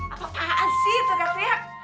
apaan sih teriak teriak